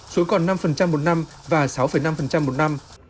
số còn năm năm một năm và sáu năm một năm